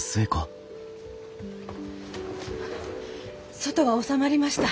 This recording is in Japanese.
外は収まりました。